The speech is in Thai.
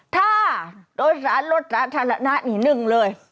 ถ้าโดยสารรถศาสตร์ธรรณะอีกหนึ่งเลย